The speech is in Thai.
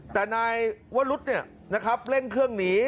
แต่นายวะรุดเนี่ยนะครับเร่งเครื่องหนี